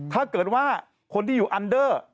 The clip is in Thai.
ถ้าเกิดว่าคนที่อยู่อันเดอร์